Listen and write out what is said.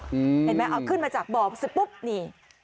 เห็นไหมเอาขึ้นมาจากบ่อเสร็จปุ๊บนี่